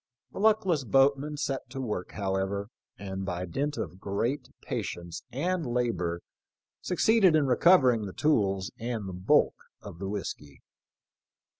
The luck less boatman set to work however, and by dint of great patience and labor succeeded in recovering the tools and the bulk of the whiskey.